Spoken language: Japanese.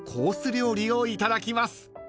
料理をいただきます］